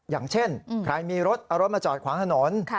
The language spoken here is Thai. อย่างเช่นใครมีรถเอารถมาจอดขวางถนน